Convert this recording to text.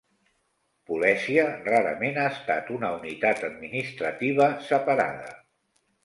Polèsia rarament ha estat una unitat administrativa separada.